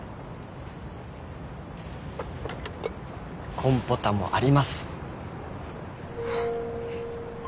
コンポタもあります。